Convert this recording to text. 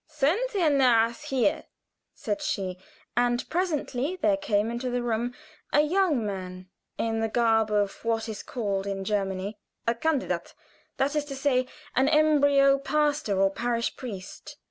"Send Herr Nahrath here," she said, and presently there came into the room a young man in the garb of what is called in Germany a Kandidat that is to say an embryo pastor, or parish priest.